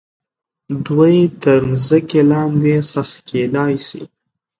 دوی تر مځکې لاندې ښخ کیدای سي.